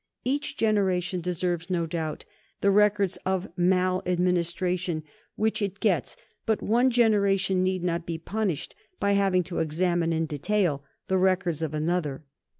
Each generation deserves, no doubt, the records of mal administration which it gets; but one generation need not be punished by having to examine in detail the records of another.